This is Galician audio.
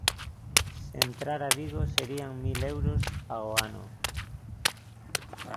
Se entrara Vigo serían mil euros ao ano.